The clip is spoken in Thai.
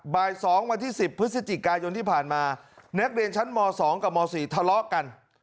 บ่าย๒วันที่๑๐พฤศจิกายนที่ผ่านมานักเรียนชั้นม๒กับม๔ทะเลาะกัน